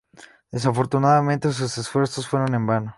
Desafortunadamente sus esfuerzos fueron en vano.